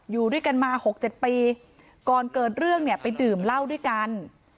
อยู่ด้วยกันมาหกเจ็ดปีก่อนเกิดเรื่องเนี่ยไปดื่มเหล้าด้วยกัน